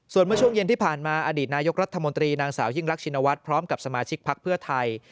ส่วนเมื่อช่วงเย็นที่ผ่านมาอดีตนายกรัฐมนตรีนางสาวยิ่งรักชินวัฒน์พร้อมกับสมาชิกพักเพื่อไทย